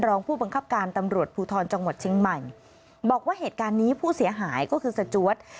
รองผู้บังคับการตำรวจภูทรจังหวัดเชียงใหม่บอกว่าเหตุการณ์นี้ผู้เสียหายก็คือสจวด